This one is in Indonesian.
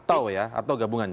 atau ya atau gabungannya